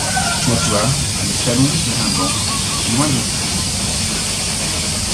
Le soir, il s'allonge sur un banc, loin de tous.